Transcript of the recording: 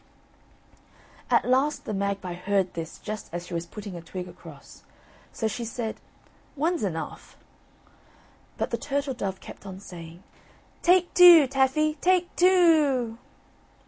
At last the magpie heard this just as she was putting a twig across. So she said: "One's enough." But the turtle dove kept on saying: "Take two, Taffy, take two o o o."